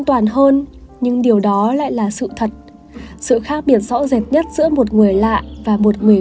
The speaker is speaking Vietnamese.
toàn hơn nhưng điều đó lại là sự thật sự khác biệt rõ rệt nhất giữa một người lạ và một người